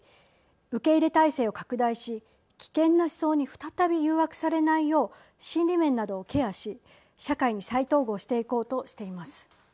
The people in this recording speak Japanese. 受け入れ体制を拡大し危険な思想に再び誘惑されないよう心理面などをケアし社会に再統合していこうとしています。